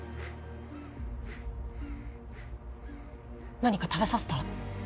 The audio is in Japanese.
何か食べさせた？